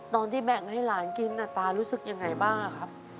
ตอนที่แบ่งให้หลานกินตารู้สึกยังไงบ้างครับ